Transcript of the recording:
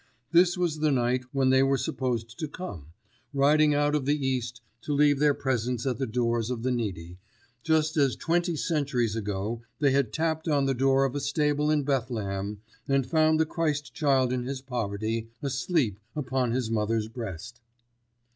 This was the night when they were supposed to come, riding out of the East to leave their presents at the doors of the needy, just as twenty centuries ago they had tapped on the door of a stable in Bethlehem and found the Christ Child in his poverty, asleep upon his mother's breast.